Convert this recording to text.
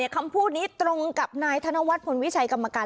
คำพูดนี้ตรงกับนายธนวัฒนพลวิชัยกรรมการ